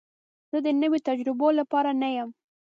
زه د نوي تجربو لپاره نه یم.